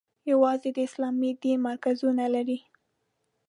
یوازې د اسلامي دین مرکزونه لري.